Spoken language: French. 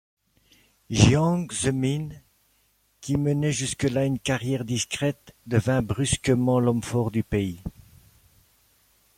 Jiang Zemin, qui menait jusque-là une carrière discrète, devient brusquement l'homme fort du pays.